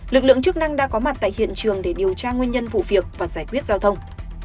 lực lượng chức năng đã có mặt tại hiện trường để điều tra nguyên nhân vụ việc và giải quyết giao thông